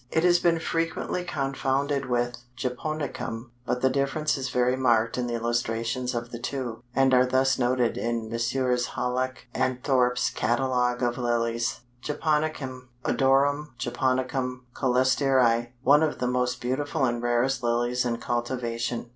It has been frequently confounded with Japonicum, but the difference is very marked in the illustrations of the two, and are thus noted in Messrs. Hallock & Thorp's "Catalogue of Lilies." "JAPONICUM (Odorum, Japonicum Colchesterii). One of the most beautiful and rarest Lilies in cultivation.